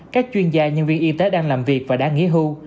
các chuyên gia nhân viên y tế đang làm việc và đã nghỉ hưu